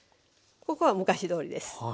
ここは昔どおりです。